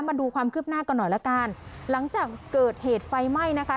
มาดูความคืบหน้ากันหน่อยละกันหลังจากเกิดเหตุไฟไหม้นะคะ